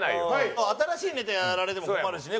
新しいネタやられても困るしね